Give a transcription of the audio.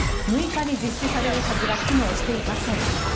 ６日に実施されるはずが機能していません。